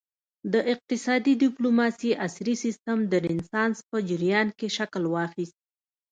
د اقتصادي ډیپلوماسي عصري سیسټم د رینسانس په جریان کې شکل واخیست